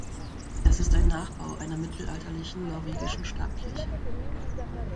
Es ist ein Nachbau einer mittelalterlichen norwegischen Stabkirche.